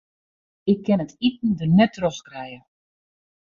Ik kin it iten der net troch krije.